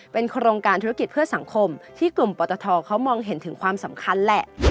เป็นโครงการธุรกิจเพื่อสังคมที่กลุ่มปตทเขามองเห็นถึงความสำคัญแหละ